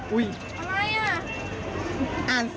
อุ๊ยอะไรน่ะอ่านสิอ่านสิ